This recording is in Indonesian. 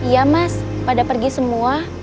iya mas pada pergi semua